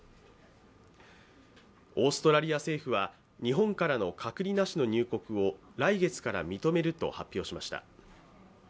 オーストラリア政府は日本からの隔離なしの入国を来月から認めると発表しました。